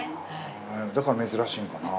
だから珍しいんかな。